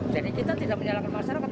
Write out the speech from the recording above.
jadi kita tidak menyalahkan masyarakat